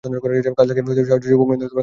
কাজে লাগ, সাহসী যুবকবৃন্দ, কাজে লাগ।